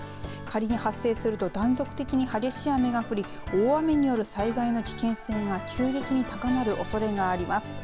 仮に発生すると断続的に激しい雨が降り大雨による災害の危険性が急激に高まるおそれがあります。